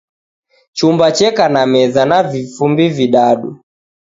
Chumba cheka na meza na vifumbi vidadu